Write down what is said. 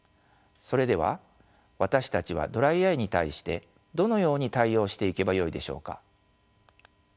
それでは私たちはドライアイに対してどのように対応していけばよいでしょうか。